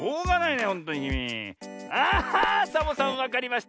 サボさんわかりました。